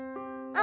「あ！」